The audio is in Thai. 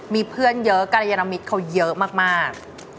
มีเพื่อนเยอะกรยานมิตรเขาเยอะมาก